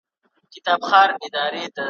دوه او درې بد صفتونه یې لا نور وي `